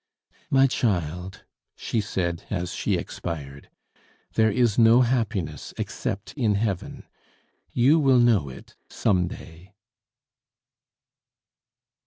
"My child," she said as she expired, "there is no happiness except in heaven; you will know it some day."